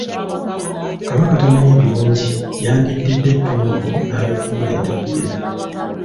Kabaka tamanyi birungi, yandiddidde ettungulu n'alifuula endeku ye.